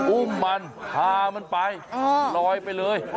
อุ้มมันพามันไปลอยไปเลย